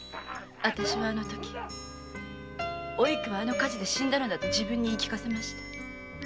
あたしはあのとき「おいく」はあの火事で死んだのだと自分に言い聞かせました。